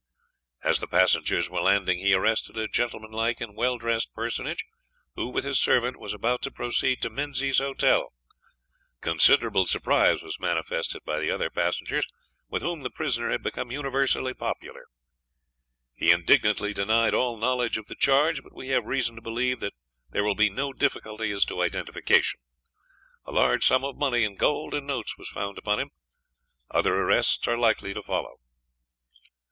As the passengers were landing he arrested a gentlemanlike and well dressed personage, who, with his servant, was about to proceed to Menzies's Hotel. Considerable surprise was manifested by the other passengers, with whom the prisoner had become universally popular. He indignantly denied all knowledge of the charge; but we have reason to believe that there will be no difficulty as to identification. A large sum of money in gold and notes was found upon him. Other arrests are likely to follow.